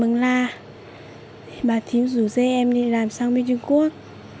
mình là bà thím rủ dê em đi làm sang bên trung quốc